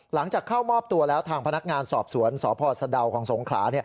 หลังจากเข้ามอบตัวแล้วทางพนักงานสอบสวนสพสะดาวของสงขลา